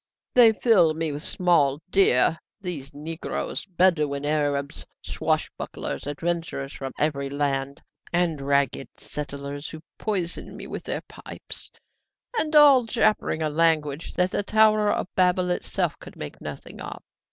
They fill me with small deer, these negroes, Bedouin Arabs, swashbucklers, adventurers from every land, and ragged settlers who poison me with their pipes, and all jabbering a language that the Tower of Babel itself could make nothing of!